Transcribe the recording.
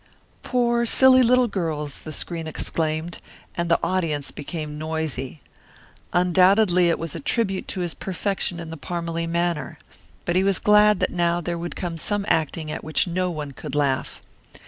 "Poor, silly little girls!" the screen exclaimed, and the audience became noisy. Undoubtedly it was a tribute to his perfection in the Parmalee manner. But he was glad that now there would come acting at which no one could laugh.